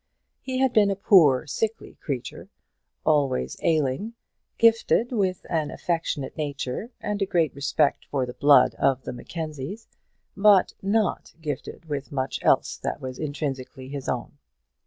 He had been a poor sickly creature, always ailing, gifted with an affectionate nature, and a great respect for the blood of the Mackenzies, but not gifted with much else that was intrinsically his own.